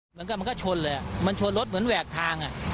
เหมือนกันมันก็ชนเลยอ่ะมันชนรถเหมือนแหวกทางอ่ะ